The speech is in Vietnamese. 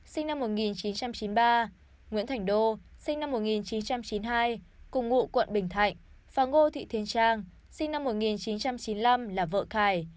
sinh năm một nghìn chín trăm chín mươi ba nguyễn thành đô sinh năm một nghìn chín trăm chín mươi hai cùng ngụ quận bình thạnh và ngô thị thiên trang sinh năm một nghìn chín trăm chín mươi năm là vợ khải